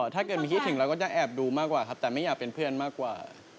ถ้าเกิดมีคิดถึงเราก็จะแอบดูมากกว่าครับแต่ไม่อยากเป็นเพื่อนมากกว่า